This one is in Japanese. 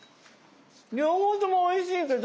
両方ともおいしいけど。